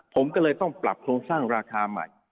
ผมก็เลยต้องปรับโครงสร้างราคาใหม่